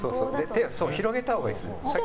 広げたほうがいいですよ。